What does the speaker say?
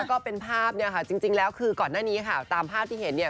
ก็เป็นภาพเนี่ยค่ะจริงแล้วคือก่อนหน้านี้ค่ะตามภาพที่เห็นเนี่ย